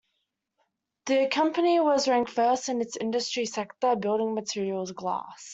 The company was ranked first in its industry sector, Building Materials, Glass.